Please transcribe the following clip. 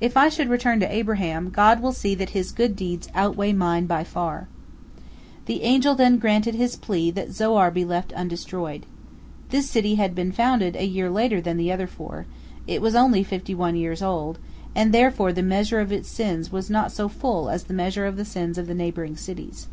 If I should return to Abraham, God will see that his good deeds outweigh mine by far." The angel then granted his plea that Zoar be left undestroyed. This city had been founded a year later than the other four; it was only fifty one years old, and therefore the measure of its sins was not so full as the measure of the sins of the neighboring cities.